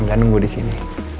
nggak nunggu disini